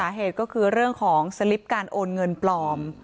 สาเหตุก็คือเรื่องของสลิปการโอนเงินปลอม